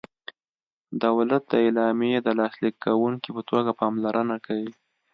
دولت د اعلامیې د لاسلیک کوونکي په توګه پاملرنه کوي.